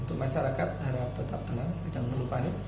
untuk masyarakat harap tetap tenang dan berhubungan